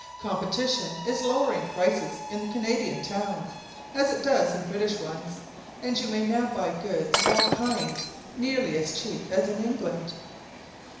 Competition is lowering prices in Canadian towns, as it does in British ones, and you may now buy goods of all kinds nearly as cheap as in England.